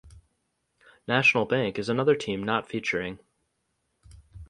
National Bank is another team not featuring.